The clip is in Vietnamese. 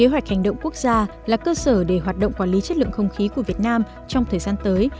hoạt động quản lý chất lượng không khí của việt nam trong thời gian tới